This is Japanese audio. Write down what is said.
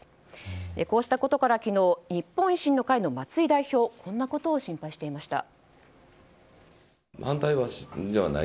こうしたことから昨日日本維新の会の松井代表はこんなことを心配していました。